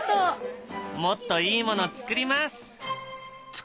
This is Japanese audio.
もっといいもの作ります。